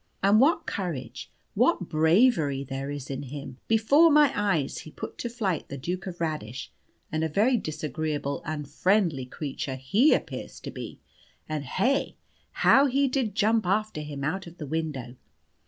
And what courage, what bravery there is in him! Before my eyes he put to flight the Duke of Radish, (and a very disagreeable, unfriendly creature he appears to be) and hey, how he did jump after him out of the window!